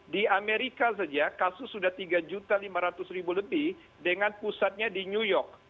di amerika saja kasus sudah tiga lima ratus lebih dengan pusatnya di new york